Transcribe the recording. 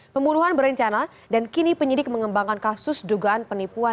pembunuhan berencana dan kini penyidik mengembangkan kasus dugaan penipuan